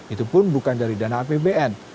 itu pun bukan dari dana apbn